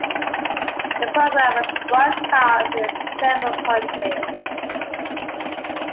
The program was broadcast in several countries.